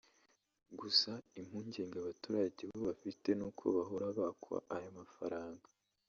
Gusa impungenge abaturage bo bafite n’uko bahora bakwa aya mafaranga